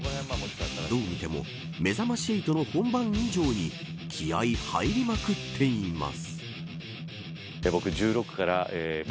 どう見てもめざまし８の本番以上に気合入りまくっています。